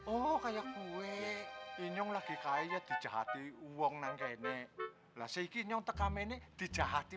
oh kayak gue ini lagi kayak dijahati uang nangkene lasik ini untuk kami nih dijahati